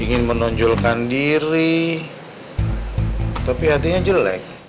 ingin menonjolkan diri tapi hatinya jelek